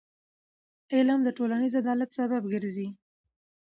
علم د ټولنیز عدالت سبب ګرځي.